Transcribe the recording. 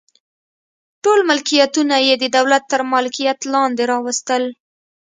ټول ملکیتونه یې د دولت تر مالکیت لاندې راوستل.